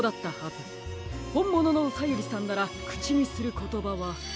ほんもののうさゆりさんならくちにすることばは。